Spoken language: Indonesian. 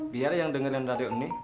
biar yang dengerin radio ini